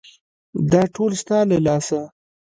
_دا ټول ستا له لاسه.